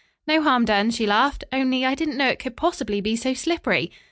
"No harm done," she laughed, "only I didn't know it could possibly be so slippery."